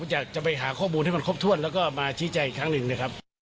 อันนี้ครับผมจะไปหาข้อมูลที่มันครบถ้วนแล้วก็มาชี้ใจครั้งหนึ่งนะครับ